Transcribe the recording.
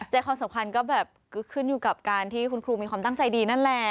ความสำคัญก็แบบก็ขึ้นอยู่กับการที่คุณครูมีความตั้งใจดีนั่นแหละ